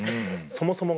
そもそもが。